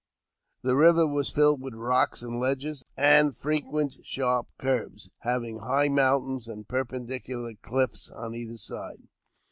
The river was filled with rocks and ledges, and frequent sharp curves, having high mountains and perpendicular cliffs on either side.